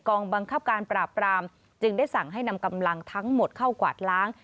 บังคับการปราบรามจึงได้สั่งให้นำกำลังทั้งหมดเข้ากวาดล้าง